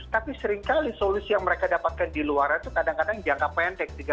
tapi seringkali solusi yang mereka dapatkan di luar itu kadang kadang jangka pendek